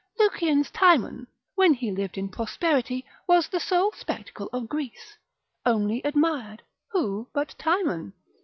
Lucian's Timon, when he lived in prosperity, was the sole spectacle of Greece, only admired; who but Timon?